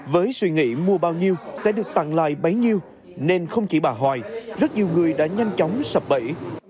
với suy nghĩ mua bao nhiêu sẽ được tặng lại bấy nhiêu nên không chỉ bà hoài rất nhiều người đã nhanh chóng sập bẫy